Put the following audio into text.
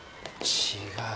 違う。